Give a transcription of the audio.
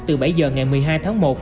từ bảy giờ ngày một mươi hai tháng một